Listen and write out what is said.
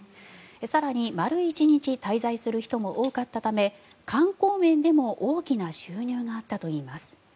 更に丸１日滞在する人も多かったため観光面でも大きな収入があったといいます。